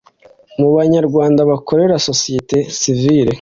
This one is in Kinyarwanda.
mu banyarwanda bakorera sosiyete sivile